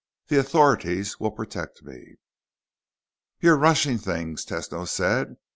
The authorities will protect me." "You're rushing things," Tesno said.